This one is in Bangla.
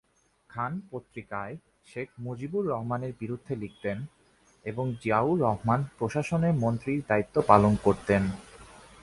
খান পত্রিকায় শেখ মুজিবুর রহমানের বিরুদ্ধে লিখতেন এবং জিয়াউর রহমান প্রশাসনে মন্ত্রীর দায়িত্ব পালন করতেন।